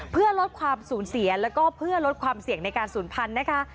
เพื่อลดความสูญเสียแล้วก็เพื่อลดความเสี่ยงในการศูนย์พันธุ์นะคะ